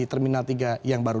terminal tiga yang baru